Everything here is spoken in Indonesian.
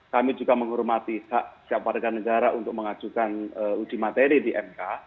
kami juga menghormati hak setiap warga negara untuk mengajukan uji materi di mk